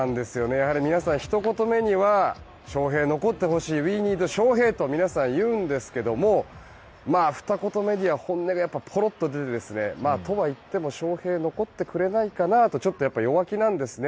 やはり皆さん、ひと言目には翔平、残ってほしいウィー・ニード・ショウヘイと皆さん言うんですけどふた言目には本音がぽろっと出てとはいっても、翔平は残ってくれないかなと弱気なんですね。